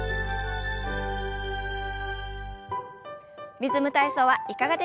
リズム体操はいかがでしたか？